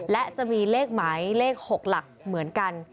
และจะมีเลขหมายเลข๖หลักเหมือนกัน